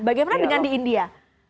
bagaimana dengan di india